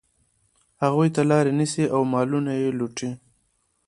هغوی ته لاري نیسي او مالونه یې لوټي.